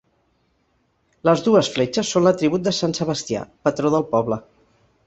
Les dues fletxes són l'atribut de sant Sebastià, patró del poble.